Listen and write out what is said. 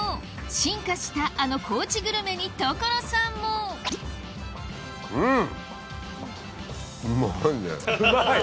進化したあの高知グルメに所さんもうん！